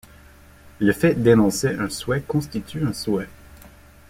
Le fait d'énoncer un souhait constitue un souhait.